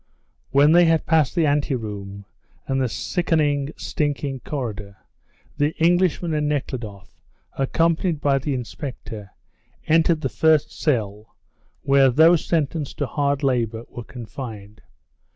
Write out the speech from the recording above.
When they had passed the anteroom and the sickening, stinking corridor, the Englishman and Nekhludoff, accompanied by the inspector, entered the first cell, where those sentenced to hard labour were confined.